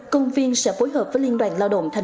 công viên sẽ phối hợp với liên đoàn lao động tp hcm